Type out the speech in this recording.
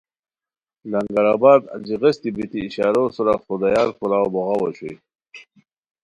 لنگر آباد اچی غیستی بیتی اشارو سورا خدایار کوراؤ بوغاؤ اوشوئے